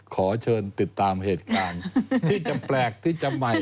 ขอเชิญติดตามเหตุการณ์ที่จะแปลกที่จะใหม่